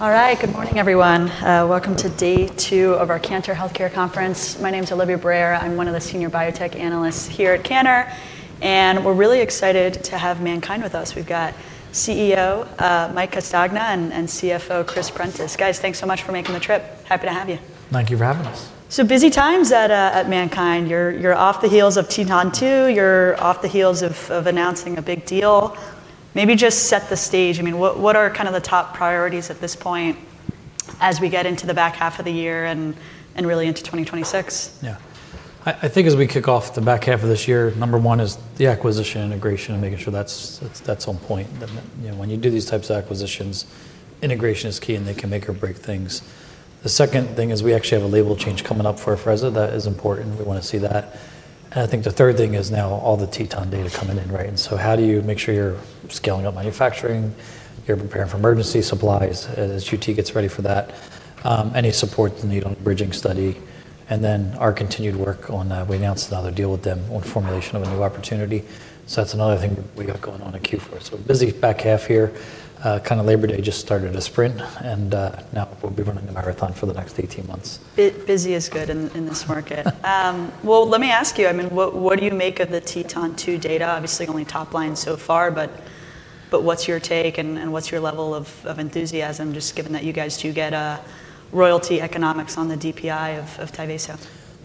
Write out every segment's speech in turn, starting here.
Alright. Good morning, everyone. Welcome to day two of our Cantor Healthcare Conference. My name is Olivia Breyer. I'm one of the senior biotech analysts here at Cantor, and we're really excited to have MannKind with us. We've got CEO, Mike Castagna and and CFO, Chris Prentiss. Guys, thanks so much for making the trip. Happy to have you. Thank you for having us. So busy times at, at MannKind. You're you're off the heels of Teton two. You're off the heels of of announcing a big deal. Maybe just set the stage. I mean, what what are kind of the top priorities at this point as we get into the back half of the year and and really into 2020 Yeah. I I think as we kick off the back half of this year, number one is the acquisition integration and making sure that's that's that's on point. You know, when you do these types of acquisitions, integration is key and they can make or break things. The second thing is we actually have a label change coming up for Afrezza. That is important. We want to see that. And I think the third thing is now all the Teton data coming in. And so how do you make sure you're scaling up manufacturing? You're preparing for emergency supplies as UT gets ready for that? Any support that need on bridging study. And then our continued work on that, we announced another deal with them on formulation of a new opportunity. So that's another thing we got going on in q four. So busy back half here. Kind of Labor Day just started a sprint, and now we'll be running a marathon for the next eighteen months. Busy is good in in this market. Well, let me ask you. I mean, what what do you make of the TETON two data? Obviously, only top line so far, but but what's your take, and and what's your level of of enthusiasm just given that you guys do get a royalty economics on the DPI of of Tyvaso?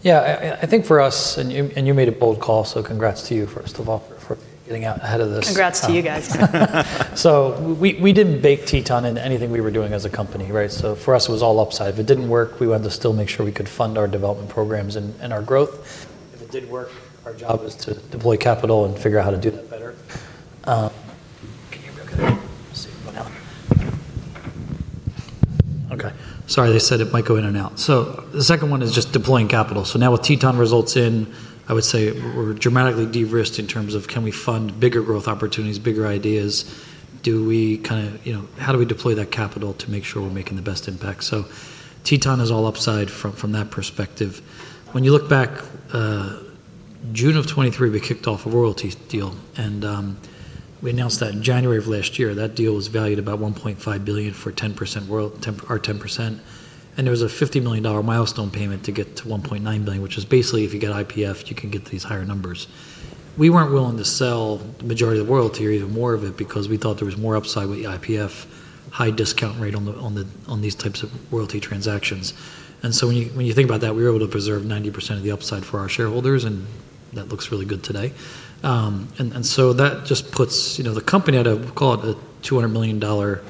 Yeah. I I think for us and you and you made a bold call, so congrats to you first of all for getting out ahead of this. Congrats to you guys. So we we didn't bake Teton in anything we were doing as a company. Right? So for us, was all upside. If it didn't work, we wanted to still make sure we could fund our development programs and and our growth. If it did work, our job is to deploy capital and figure out how to do that better. Okay. Sorry. They said it might go in and out. So the second one is just deploying capital. So now with Teton results in, I would say we're dramatically derisked in terms of can we fund bigger growth opportunities, bigger ideas? Do we kind of you know, how do we deploy that capital to make sure we're making the best impact? So Teton is all upside from from that perspective. When you look back, June '23, we kicked off a royalties deal, and, we announced that in January. That deal was valued about 1,500,000,000.0 for 10% world 10 our 10%. And there was a $50,000,000 milestone payment to get to 1,900,000,000.0, which is basically if you get IPF, you can get these higher numbers. We weren't willing to sell majority of the royalty or even more of it because we thought there was more upside with the IPF, high discount rate on the on the on these types of royalty transactions. And so when you when you think about that, we were able to preserve 90% of the upside for our shareholders and that looks really good today. And and so that just puts, you know, the company had a call it a $200,000,000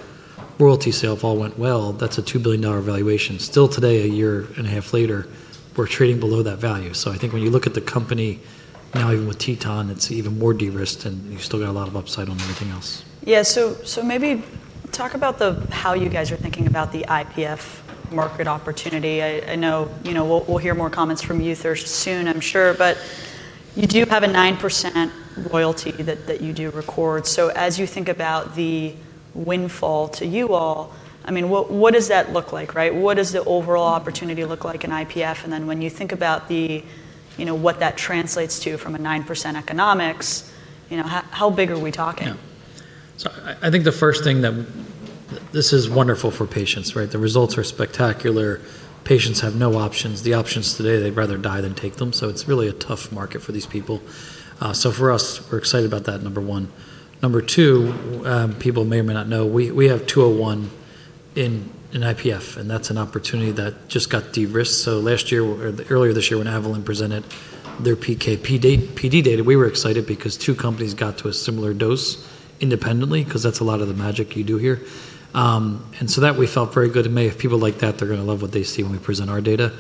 royalty sale if all went well. That's a $2,000,000,000 valuation. Still today, a year and a half later, we're trading below that value. So I think when you look at the company now even with Teton, it's even more derisked and you still got a lot of upside on everything else. Yeah. So so maybe talk about the how you guys are thinking about the IPF market opportunity. I I know, you know, we'll we'll hear more comments from you soon, I'm sure, but you do have a 9% royalty that that you do record. So as you think about the windfall to you all, I mean, what what does that look like? Right? What does the overall opportunity look like in IPF? And then when you think about the, you know, what that translates to from a 9% economics, you know, how big are we talking? Yeah. So I think the first thing that this is wonderful for patients, The results are spectacular. Patients have no options. The options today, they'd rather die than take them. So it's really a tough market for these people. So for us, we're excited about that, number one. Number two, people may or may not know, we have two zero one in IPF, and that's an opportunity that just got derisked. So last year, earlier this year when Avalyn presented their PKPD PD data, we were excited because two companies got to a similar dose independently because that's a lot of the magic you do here. And so that we felt very good. May, if people like that, they're gonna love what they see when we present our data.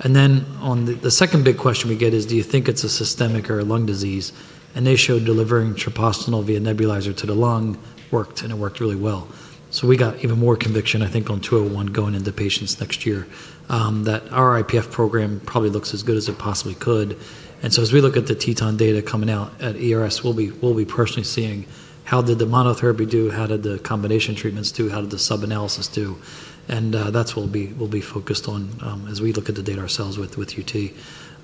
And then on the the second big question we get is, do you think it's a systemic or a lung disease? And they showed delivering treprostinil via nebulizer to the lung worked, and it worked really well. So we got even more conviction, I think, on two zero one going into patients next year that our IPF program probably looks as good as it possibly could. And so as we look at the Teton data coming out at ERS, we'll be we'll be personally seeing how did the monotherapy do, how did the combination treatments do, how did the sub analysis do, And, that's what we'll be we'll be focused on, as we look at the data ourselves with with UT.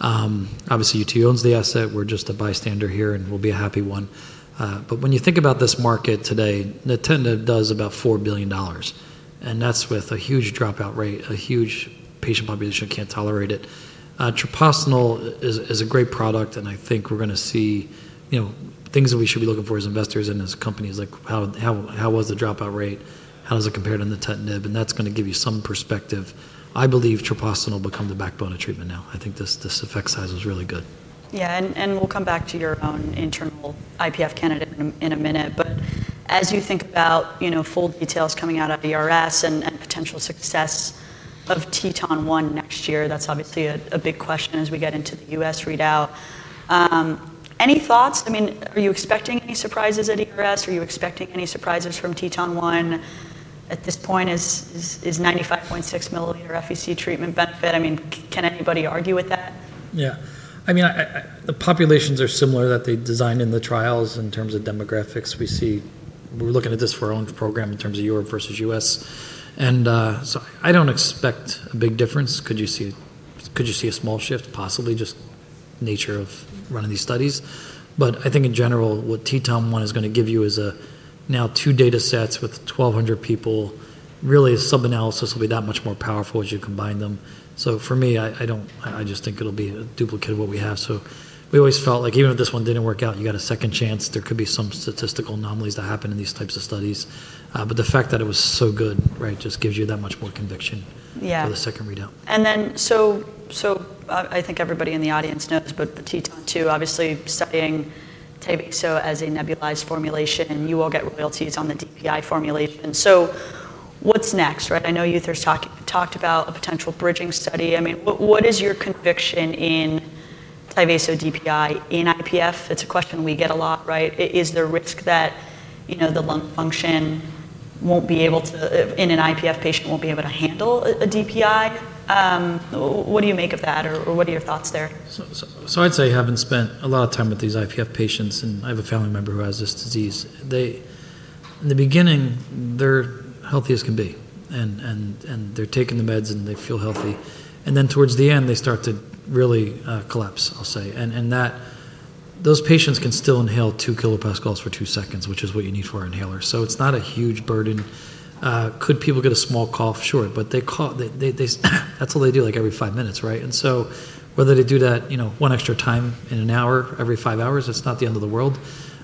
Obviously, UT owns the asset. We're just a bystander here, we'll be a happy one. But when you think about this market today, Natinda does about $4,000,000,000, and that's with a huge dropout rate, a huge patient population can't tolerate it. Treprostinil is is a great product, and I think we're gonna see, you know, things that we should be looking for as investors and as companies, like how how how was the dropout rate? How does it compare to the tetanib? And that's gonna give you some perspective. I believe Treprostinil will become the backbone of treatment now. I think this this effect size is really good. Yeah. And and we'll come back to your own internal IPF candidate in in a minute. But as you think about, you know, full details coming out of ERS and and potential success of TETON one next year, that's obviously a a big question as we get into The US readout. Any thoughts? I mean, are you expecting any surprises at ERS? Are you expecting any surprises from TETON-one at this point? Is 95.6 milliliter FEC treatment benefit? I mean, can anybody argue with that? Yeah. I mean, populations are similar that they designed in the trials in terms of demographics. See we're looking at this for our own program in terms of Europe versus US. And so I don't expect a big difference. Could you see a small shift possibly just nature of running these studies? But I think in general what TTOM-one is going to give you is a now two datasets with 1,200 people. Really, a sub analysis will be that much more powerful as you combine them. So for me, I I don't I I just think it'll be duplicate of what we have. So we always felt like even if this one didn't work out, you got a second chance. There could be some statistical anomalies that happen in these types of studies. But the fact that it was so good, right, just gives you that much more conviction And for the second then so I think everybody in the audience knows, but the TETON-two obviously studying Tyvaso as a nebulized formulation, you will get royalties on the DPI formulation. So what's next? Right? I know you talked talked about a potential bridging study. I mean, what what is your conviction in Tyvaso DPI in IPF? It's a question we get a lot. Right? Is there a risk that, you know, the lung function won't be able to in an IPF patient won't be able to handle a DPI? What do you make of that or what are your thoughts there? So so I'd say having spent a lot of time with these IPF patients, and I have a family member who has this disease. They in the beginning, they're healthy as can be, and and and they're taking the meds and they feel healthy. And then towards the end, they start to really, collapse, I'll say. And and that those patients can still inhale two kilopascals for two seconds, which is what you need for inhaler. So it's not a huge burden. Could people get a small cough? Sure. But they cough, that's all they do like every five minutes, right? And so whether they do that, you know, one extra time in an hour every five hours, it's not the end of the world.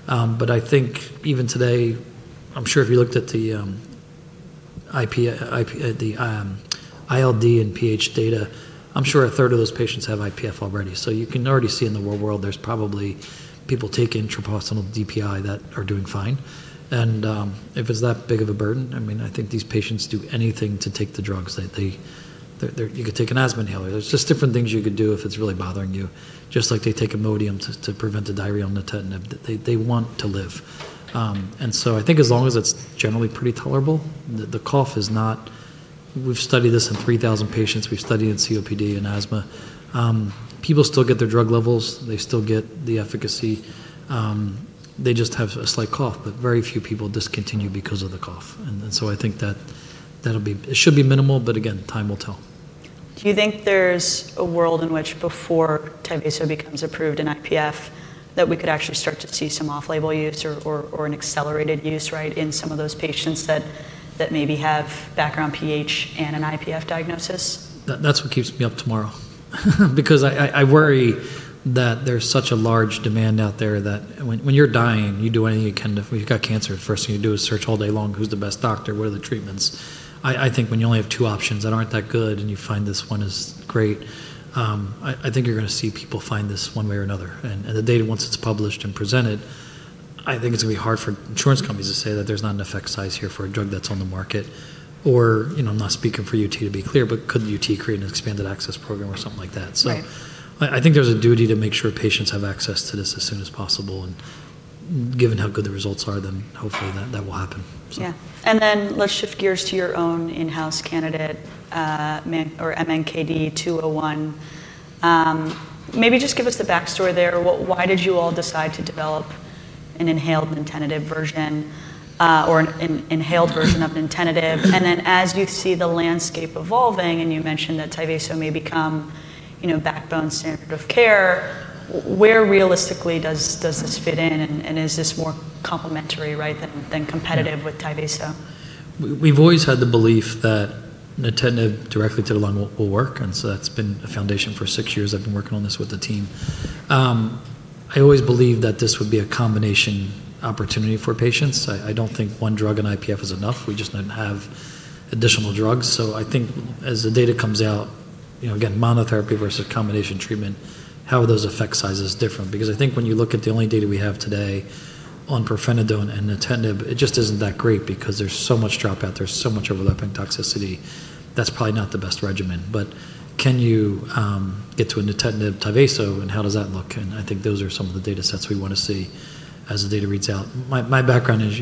But I think even today, I'm sure if you looked at the IP the ILD and PH data, I'm sure a third of those patients have IPF already. So you can already see in the real world there's probably people taking treprostinil DPI that are doing fine. And if it's that big of a burden, I mean, think these patients do anything to take the drugs that they they're they're you could take an asthma inhaler. There's just different things you could do if it's really bothering you. Just like they take Imodium to to prevent the diarrhea on the tetanib. They they want to live. And so I think as long as it's generally pretty tolerable, the the cough is not we've studied this in three thousand patients. We've studied in COPD and asthma. People still get their drug levels. They still get the efficacy. They just have a slight cough, but very few people discontinue because of the cough. And and so I think that that'll be it should be minimal, but again, time will tell. Do you think there's a world in which before Tyvaso becomes approved in IPF that we could actually start to see some off label use or an accelerated use, right, in some of those patients that maybe have background pH and an IPF diagnosis? That's what keeps me up tomorrow Because I worry that there's such a large demand out there that when you're dying, you do anything you can do. When you've got cancer, first thing you do is search all day long, who's the best doctor, what are the treatments. I think when you only have two options that aren't that good and you find this one is great, I I think you're gonna see people find this one way or another. And and the data, once it's published and presented, I think it's gonna be hard for insurance companies to say that there's not an effect size here for a drug that's on the market. Or, you know, I'm not speaking for UT to be clear, but couldn't UT create an expanded access program or something like that? So I I think there's a duty to make sure patients have access to this as soon as possible, and given how good the results are, then hopefully that that will happen. So Yeah. And then let's shift gears to your own in house candidate or MNKD two zero one. Maybe just give us the backstory there. Why did you all decide to develop an inhaled Nintentative version or an inhaled version of Nintentative? And then as you see the landscape evolving and you mentioned that Tyvaso may become you know, backbone standard of care, where realistically does does this fit in, and is this more complementary, right, than than competitive with Tyvaso? We've always had the belief that natinib directly to the lung will will work, and so that's been foundation for six years. I've been working on this with the team. I always believed that this would be a combination opportunity for patients. I don't think one drug in IPF is enough. We just don't have additional drugs. So I think as the data comes out, you know, again, monotherapy versus combination treatment, how are those effect sizes different? Because I think when you look at the only data we have today on profanidone and natendib, it just isn't that great because there's so much dropout, there's so much overlapping toxicity, that's probably not the best regimen. But can you get to a Natetinib Tyvaso and how does that look? And I think those are some of the data sets we want to see as the data reads out. My background is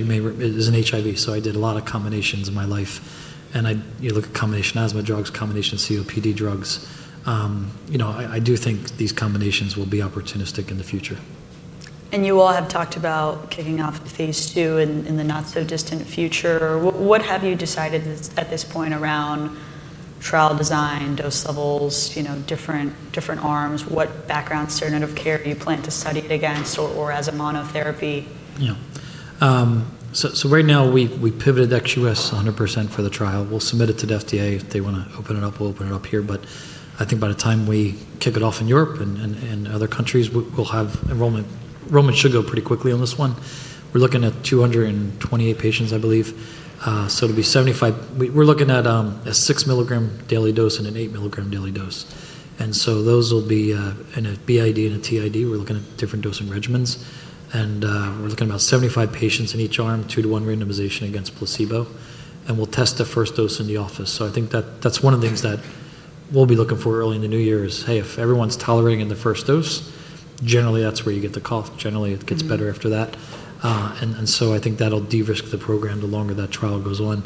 in HIV, so I did a lot of combinations in my life. And you look at combination asthma drugs, combination COPD drugs. I do think these combinations will be opportunistic in the future. And you all have talked about kicking off the phase two in the not so distant future. What have you decided at this point around trial design, dose levels, different arms? What background standard of care do you plan to study against or as a monotherapy? So right now we pivoted ex US 100% for the trial. We'll submit it to the FDA. If they want We'll open it up here. But I think by the time we kick it off in Europe and and and other countries, we'll we'll have enrollment. Enrollment should go pretty quickly on this one. We're looking at 228 patients, I believe. So it'll be seventy five we we're looking at, a six milligram daily dose and an eight milligram daily dose. And so those will be, in a bid and a tid. We're looking at different dosing regimens. And, we're looking about seventy five patients in each arm, two to one randomization against placebo, and we'll test the first dose in the office. So I think that that's one of the things that we'll be looking for early in the New Year is, hey. If everyone's tolerating in the first dose, generally, that's where you get the cough. Generally, it gets better after that. And and so I think that'll derisk the program the longer that trial goes on,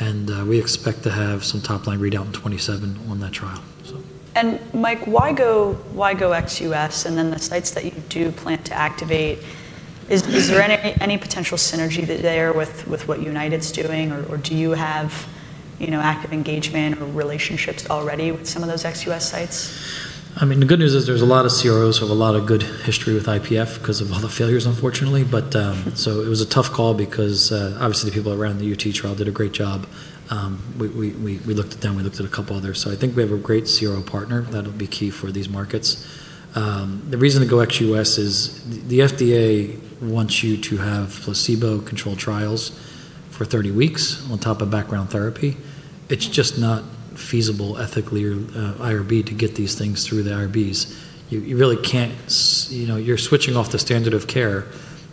And we expect to have some top line readout in '27 on that trial. And Mike, why go ex US and then the sites that you do plan to activate? Is there any potential synergy there with what United's doing or do you have you know, active engagement or relationships already with some of those ex US sites? I mean, the good news is there's a lot of CROs who have a lot of good history with IPF because of all the failures, unfortunately. But so it was a tough call because, obviously, the people around the UT trial did a great job. We we we looked at them. We looked at a couple others. So I think we have a great CRO partner that'll be key for these markets. The reason to go ex US is the FDA wants you to have placebo controlled trials for thirty weeks on top of background therapy. It's just not feasible ethically IRB to get these things through the IRBs. You're switching off the standard of care,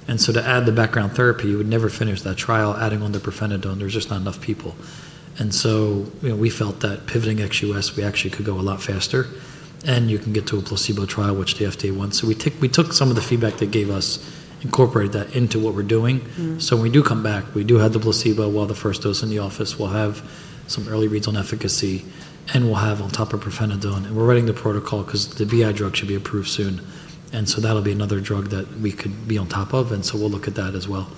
and so to add the background therapy, you would never finish that trial adding on the profenadone, there's just not enough people. And so we felt that pivoting ex US we actually could go a lot faster and you can get to a placebo trial which the FDA wants. So we took some of the feedback they gave us, incorporated that into what we're doing. So when we do come back, do have the placebo while the first dose in the office, we'll have some early reads on efficacy, and we'll have on top of profanidone. And we're writing the protocol because the BI drug should be approved soon. And so that'll be another drug that we could be on top of, and so we'll look at that as well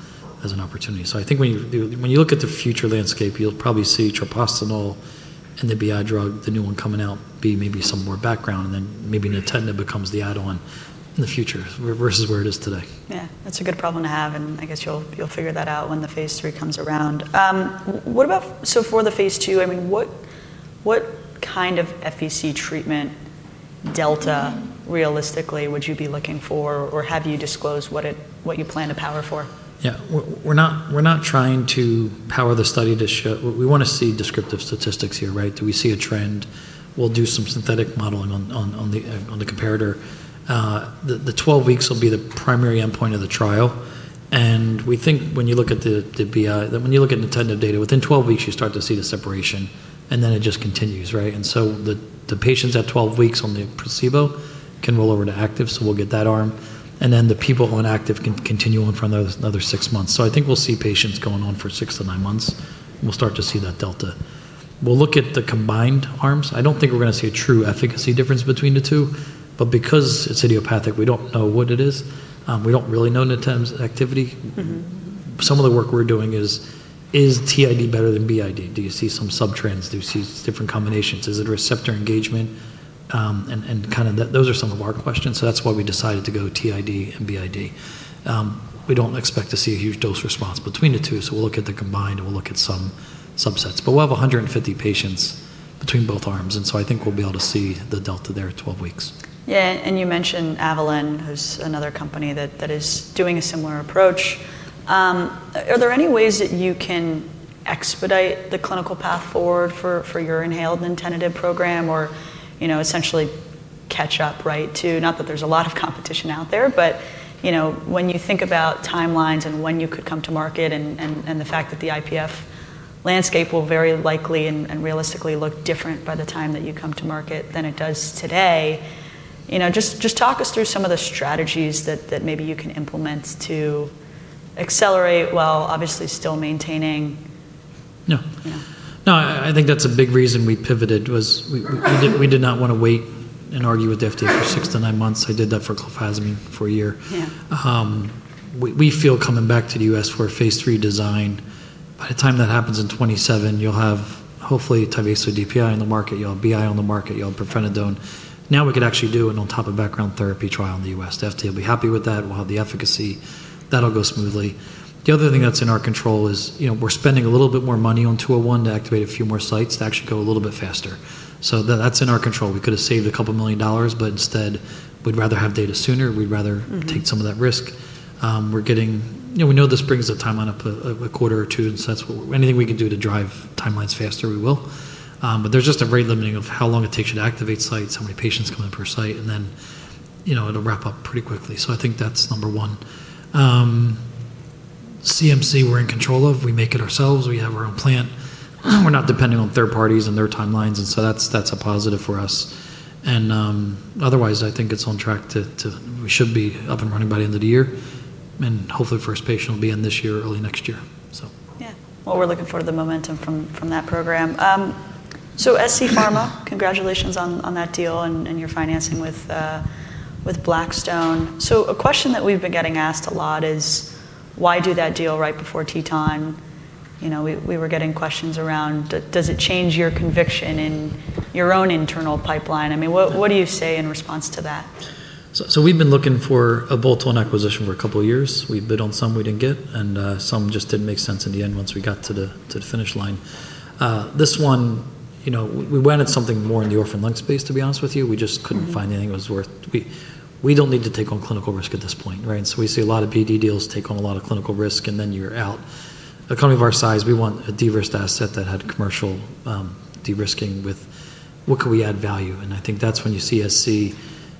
as an opportunity. So I think when you look at the future landscape, you'll probably see treprostinil and the BI drug, the new one coming out be maybe some more background and then maybe Natinda becomes the add on in the future versus where it is today. Yeah. That's a good problem to have and I guess you'll figure that out when the phase three comes around. What about so for the phase two, I mean, what kind of FEC treatment delta realistically would you be looking for? Or have you disclosed what it what you plan to power for? Yeah. We're we're not we're not trying to power the study to show we wanna see descriptive statistics here. Right? Do we see a trend? We'll do some synthetic modeling on on on the on the comparator. The the twelve weeks will be the primary endpoint of the trial, and we think when you look at the the BI when you look at the TENNET data, within twelve weeks, you start to see the separation, and then it just continues. Right? And so the the patients at twelve weeks on the placebo can roll over to active, so we'll get that arm. And then the people who are inactive can continue on for another another six months. So I think we'll see patients going on for six to nine months, and we'll start to see that delta. We'll look at the combined arms. I don't think we're gonna see a true efficacy difference between the two, but because it's idiopathic, we don't know what it is. We don't really know Natem's activity. Mhmm. Some of the work we're doing is is TID better than BID? Do you see some sub trends? Do you see different combinations? Is it receptor engagement? And and kinda those are some of our questions, so that's why we decided to go TID and BID. We don't expect to see a huge dose response between the two, so combined and we'll look at some subsets. But we'll have one hundred and fifty patients between both arms. And so I think we'll be able to see the delta there at twelve weeks. Yeah, and you mentioned Avalyn, who's another company that is doing a similar approach. Are there any ways that you can expedite the clinical path forward for your inhaled and tentative program or essentially catch up, right, to not that there's a lot of competition out there, but you know, when you think about timelines and when you could come to market and and and the fact that the IPF landscape will very likely and and realistically look different by the time that you come to market than it does today. You know, just just talk us through some of the strategies that that maybe you can implement to accelerate while obviously still maintaining No. No. I I think that's a big reason we pivoted was we we we did we did not wanna wait and argue with the FDA for six to nine months. I did that for clofazamine for a year. Yeah. We we feel coming back to The US for a phase three design, by the time that happens in '27, you'll have, hopefully, Tyvaso DPI on the market, you'll have BI on market, you'll have propranolone. Now we could actually do it on top of background therapy trial in The US. FDA will be happy with that. We'll have the efficacy. That'll go smoothly. The other thing that's in our control is, you know, we're spending a little bit more money on 02/2001 to activate a few more sites to actually go a little bit faster. So that's in our control. We could have saved a couple million dollars, but instead we'd rather have data sooner. We'd rather take some of that risk. We're getting you know, we know this brings the timeline up a quarter or two, and so that's what anything we can do to drive timelines faster, will. But there's just a rate limiting of how long it takes you to activate sites, how many patients come in per site, and then, you know, it'll wrap up pretty quickly. So I think that's number one. CMC, we're in control of. We make it ourselves. We have our own plant. We're not depending on third parties and their timelines and so that's a positive for us. And otherwise I think it's on track to, we should be up and running by the end of the year. And hopefully first patient will be in this year, early next year. We're looking forward to the momentum from that program. So SC Pharma, congratulations on that deal and your financing with Blackstone. So a question that we've been getting asked a lot is why do that deal right before tea time? You know, we we were getting questions around does it change your conviction in your own internal pipeline? I mean, what what do you say in response to that? So so we've been looking for a bolt on acquisition for a couple years. We bid on some we didn't get and some just didn't make sense in the end once we got to the to the finish line. This one, you know, we wanted something more in the orphan lung space to be honest with you. We just couldn't find anything that was worth we don't need to take on clinical risk at this point. Right? So we see a lot of BD deals take on a lot of clinical risk, then you're out. A company of our size, we want a de risked asset that had commercial de risking with what could we add value? And I think that's when you see SC,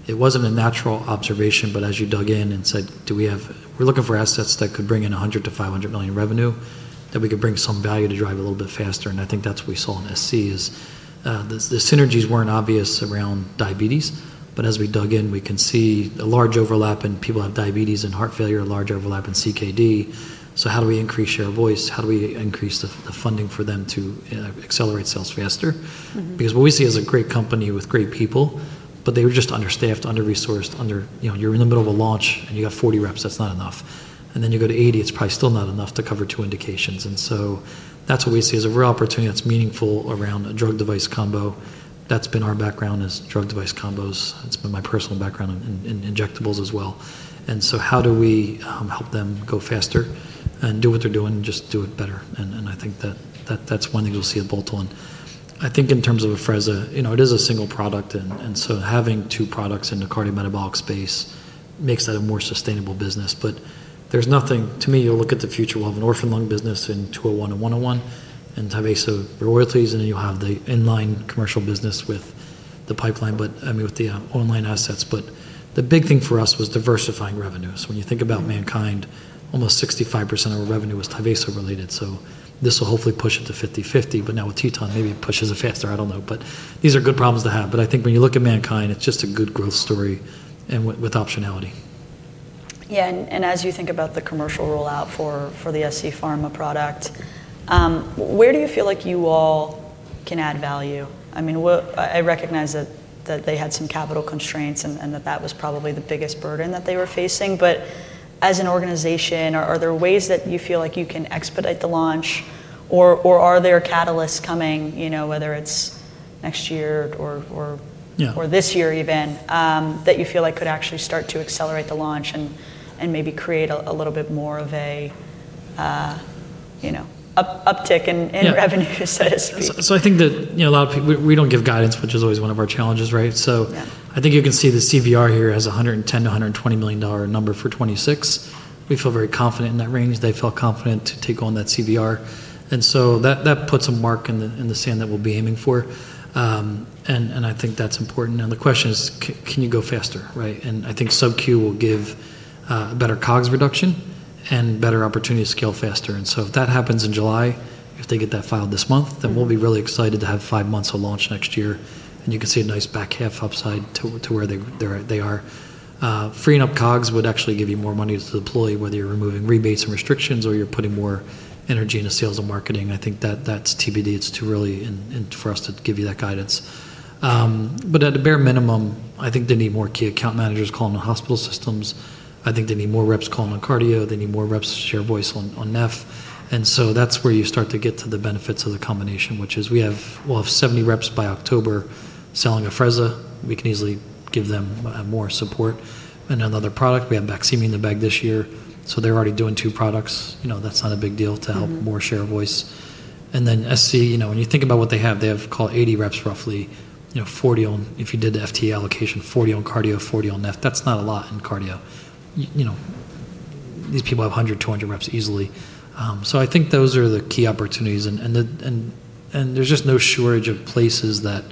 it wasn't a natural observation, but as you dug in and said, do we have, we're looking for assets that could bring in 100 to 500,000,000 revenue, that we could bring some value to drive a little bit faster. I think that's what we saw in SC is the synergies weren't obvious around diabetes. But as we dug in, we can see the large overlap in people who have diabetes and heart failure, a large overlap in CKD. So how do we increase share of voice? How do we increase the funding for them to accelerate sales faster? Mhmm. Because what we see is a great company with great people, but they were just understaffed, under resourced, under you know, you're in the middle of a launch and you have 40 reps, that's not enough. And then you go to 80, it's probably still not enough to cover two indications. And so that's what we see as a real opportunity that's meaningful around a drug device combo. That's been our background as drug device combos. It's been my personal background in injectables as well. And so how do we, help them go faster and do what they're doing and just do it better? And and I think that that that's one thing you'll see at Bolt On. I think in terms of Afrezza, you know, it is a single product, and and so having two products in the cardiometabolic space makes that a more sustainable business. But there's nothing to me, you'll look at the future of an orphan lung business in 02/2001 and 01/2001, and Tyvaso royalties, and then you'll have the in line commercial business with the pipeline, but I mean, with the online assets. But the big thing for us was diversifying revenues. When you think about MannKind, almost 65% of our revenue was Tyvaso related. So this will hopefully push it to fiftyfifty, but now with Teton, maybe it pushes it faster, I don't know. But these are good problems to have. But I think when you look at MannKind, it's just a good growth story and with optionality. Yeah. And and as you think about the commercial rollout for for the SC Pharma product, where do you feel like you all can add value? I mean, I I recognize that that they had some capital constraints and and that that was probably the biggest burden that they were facing. But as an organization, are are there ways that you feel like you can expedite the launch? Or or are there catalysts coming, you know, whether it's next year or or Yeah. Or this year even that you feel like could actually start to accelerate the launch and maybe create a little bit more of a, know, uptick in revenue, so to speak. So I think that, you know, a lot of people we don't give guidance, is always one of our challenges, right? So I think you can see the CVR here has a 110 to $120,000,000 number for '26. We feel very confident in that range. They felt confident to take on that CVR. And so that that puts a mark in the in the sand that we'll be aiming for. And and I think that's important. And the question is, can can you go faster? Right? And I think sub q will give a better COGS reduction and better opportunity to scale faster. And so if that happens in July, if they get that filed this month, then we'll be really excited to have five months of launch next year. And you can see a nice back half upside to to where they they are. Freeing up COGS would actually give you more money to deploy whether you're removing rebates and restrictions or you're putting more energy in the sales and marketing. I think that that's TBD. It's too really and and for us to give you that guidance. But at a bare minimum, I think they need more key account managers calling the hospital systems. I think they need more reps calling on cardio. They need more reps to share voice on on NEF. And so that's where you start to get to the benefits of the combination, which is we have we'll have 70 reps by October selling Afrezza. We can easily give them more support. And another product, we have Baqsimi in the bag this year. So they're already doing two products. You know, that's not a big deal to help more share voice. And then SC, you know, when you think about what they have, they have call 80 reps roughly, you know, 40 on if you did the FTE allocation, 40 on cardio, 40 on neph, that's not a lot in cardio. You know, these people have hundred, two hundred reps easily. So I think those are the key opportunities and and and there's just no shortage of places that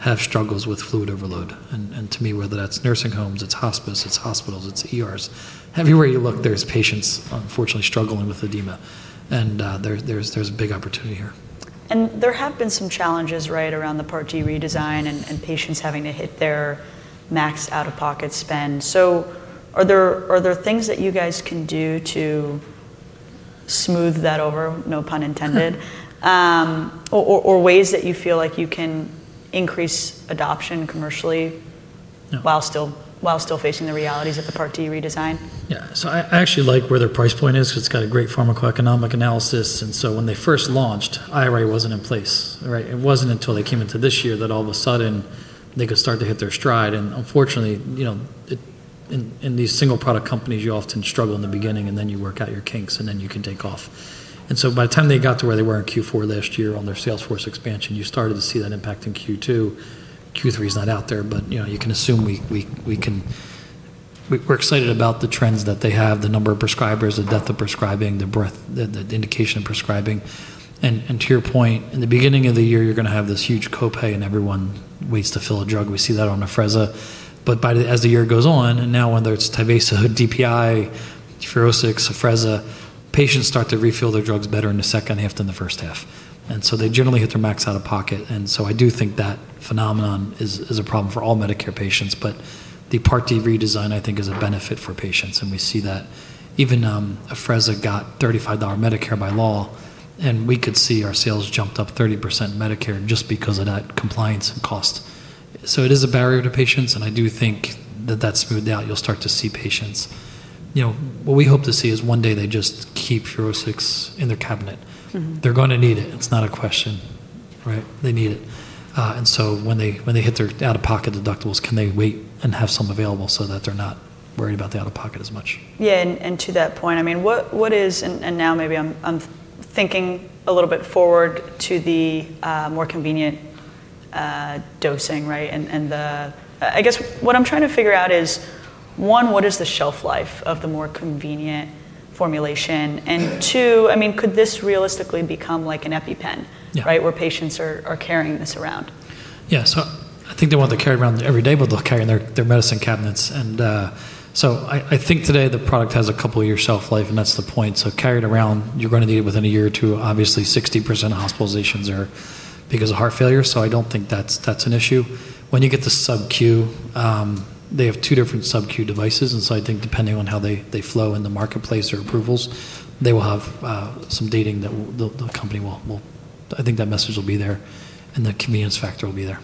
have struggles with fluid overload. And and to me, that's nursing homes, it's hospice, it's hospitals, it's ERs, everywhere you look, there's patients unfortunately struggling with edema, and, there there's there's a big opportunity here. And there have been some challenges, right, around the Part D redesign and and patients having to hit their max out of pocket spend. So are there are there things that you guys can do to smooth that over? No pun intended. Or or or ways that you feel like you can increase adoption commercially while still while still facing the realities of the Part D redesign? Yeah. I actually like where their price point is because it's got a great pharmacoeconomic analysis. And so when they first launched, IRA wasn't in place. Right? It wasn't until they came into this year that all of a sudden they could start to hit their stride. Unfortunately, you know, these single product companies, often struggle in the beginning and then you work out your kinks and then you can take off. And so by the time they got to where they were in Q4 last year on their sales force expansion, you started to see that impact in Q2. Q3 is not out there, but you know, you can assume we can we're excited about the trends that they have, the number of prescribers, the depth of prescribing, the breath the the indication of prescribing. And and to your point, in the beginning of the year, you're gonna have this huge co pay and everyone waits to fill a drug. We see that on Afrezza. But by the as the year goes on, and now whether it's Tyvaso, DPI, Furosex, Afrezza, patients start to refill their drugs better in the second half than the first half. And so they generally hit their max out of pocket. And so I do think that phenomenon is is a problem for all Medicare patients, but the Part D redesign I think is a benefit for patients and we see that even Afrezza got $35 Medicare by law and we could see our sales jumped up 30% Medicare just because of that compliance cost. So it is a barrier to patients and I do think that that's smoothed out. You'll start to see patients. You know, what we hope to see is one day they just keep four zero six in their cabinet. They're gonna need it. It's not a question. Right? They need it. And so when they they hit their out of pocket deductibles, can they wait and have some available so that they're not worried about the out of pocket as much? Yeah. And and to that point, mean, what what is and and now maybe I'm I'm thinking a little bit forward to the more convenient dosing. Right? And and the I guess what I'm trying to figure out is one, what is the shelf life of the more convenient formulation? And two, I mean, this realistically become like an EpiPen? Right? Where patients are carrying this around? Yeah. So I think they want to carry it around everyday but they'll carry it in their medicine cabinets. And so I I think today the product has a couple of year shelf life and that's the point. So carry it around, you're gonna need it within a year or two. Obviously, sixty percent of hospitalizations are because of heart failure, so I don't think that's that's an issue. When you get the sub q, they have two different sub q devices, and so I think depending on how they they flow in the marketplace or approvals, they will have some dating that the the company will will I think that message will be there, and the convenience factor will be there.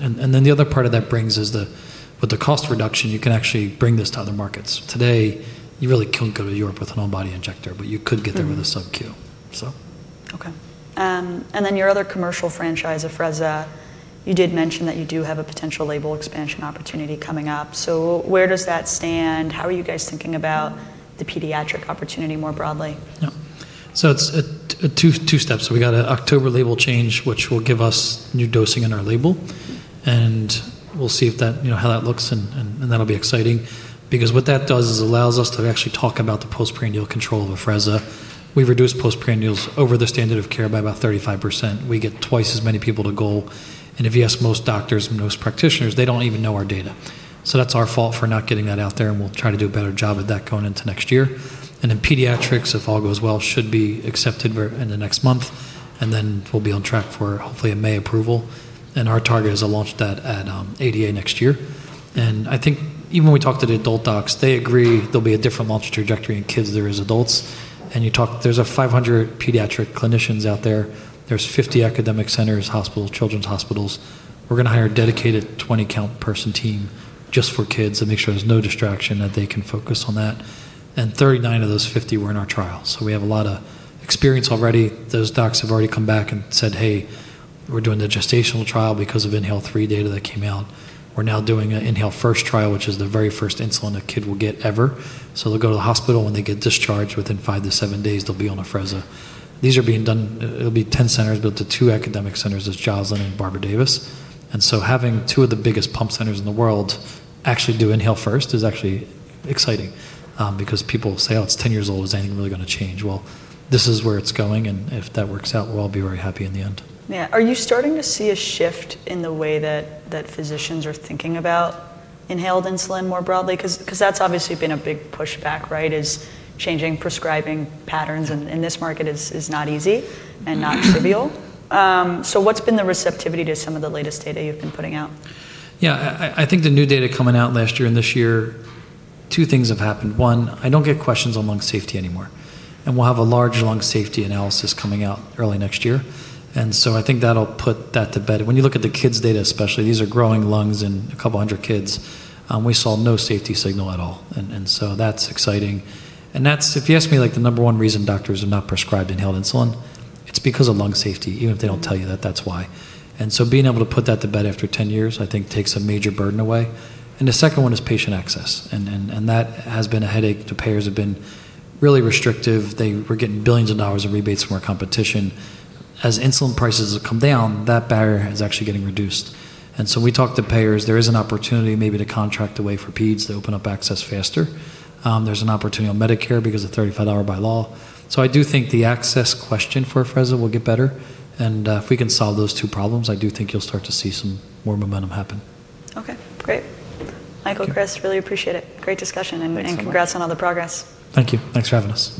And and then the other part of that brings is the with the cost reduction, you can actually bring this to other markets. Today, you really can't go to Europe with an all body injector, but you could get there with a sub q. So Okay. And then your other commercial franchise, Afrezza, you did mention that you do have a potential label expansion opportunity coming up. So where does that stand? How are you guys thinking about the pediatric opportunity more broadly? So it's two two steps. So we got an October label change which will give us new dosing in our label, and we'll see if that you know, how that looks and and and that'll be exciting. Because what that does is allows us to actually talk about the postprandial control of Afrezza. We've reduced postprandials over the standard of care by about thirty five percent. We get twice as many people to go, And if you ask most doctors and most practitioners, they don't even know our data. So that's our fault for not getting that out there, and we'll try to do a better job of that going into next year. And then pediatrics, if all goes well, should be accepted in the next month, and then we'll be on track for hopefully a May approval. And our target is to launch that at ADA next year. And I think even when we talk to the adult docs, they agree there'll be a different launch trajectory in kids than as adults. And you talk there's a 500 pediatric clinicians out there. There's 50 academic centers, hospitals, children's hospitals. We're gonna hire a dedicated 20 count person team just for kids and make sure there's no distraction, that they can focus on that. And 39 of those 50 were in our trials. So we have a lot of experience already. Those docs have already come back and said, hey, we're doing the gestational trial because of INHALE three data that came out. We're now doing an INHALE first trial, which is the very first insulin a kid will get ever. So they'll go to the hospital and they get discharged within five to seven days, they'll be on Afrezza. Are being done it'll be 10 centers built to two academic centers. There's Joslyn and Barbara Davis. And so having two of the biggest pump centers in the world actually do inhale first is actually exciting, because people say, oh, it's ten years old. Is anything really gonna change? Well, this is where it's going and if that works out, we'll all be very happy in the end. Yeah. Are you starting to see a shift in the way that physicians are thinking about inhaled insulin more broadly? Because that's obviously been a big pushback, right, is changing prescribing patterns in this market is not easy and not trivial. So what's been the receptivity to some of the latest data you've been putting out? Yeah, I think the new data coming out last year and this year, two things have happened. One, I don't get questions on lung safety anymore. And we'll have a large lung safety analysis coming out early next year. And so I think that'll put that to bed. When you look at the kids data especially, these are growing lungs in a couple 100 kids. We saw no safety signal at all. And and so that's exciting. And that's if you ask me, like, the number one reason doctors are not prescribed inhaled insulin, it's because of lung safety. Even if they don't tell you that, that's why. And so being able to put that to bed after ten years, I think, takes a major burden away. And the second one is patient access. And then and that has been a headache. The payers have been really restrictive. They were getting billions of dollars of rebates from our competition. As insulin prices have come down, that barrier is actually getting reduced. So we talk to payers, there is an opportunity maybe to contract away for peds to open up access faster. There's an opportunity on Medicare because of thirty five hour by law. So I do think the access question for Afrezza will get better. And if we can solve those two problems, do think you'll start to see some more momentum happen. Okay. Great. Michael, Chris, really appreciate it. Great discussion, and and congrats on all the progress. Thank you. Thanks for having us.